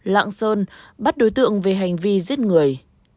lạng sơn bắt đối tượng về hành vi giết người